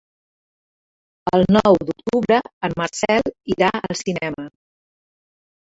El nou d'octubre en Marcel irà al cinema.